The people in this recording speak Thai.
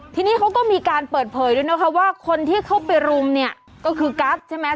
ทีนี้เขาก็มีการเปิดเผยด้วยนะคะว่าคนที่เข้าไปรุมเนี่ยก็คือกัสใช่ไหม